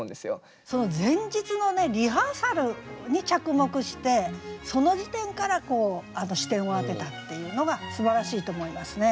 その前日のリハーサルに着目してその時点から視点を当てたっていうのがすばらしいと思いますね。